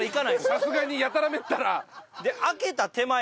さすがにやたらめったら。